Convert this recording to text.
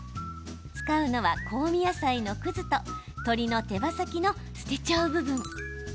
使うのは、香味野菜のくずと鶏の手羽先の捨てちゃう部分。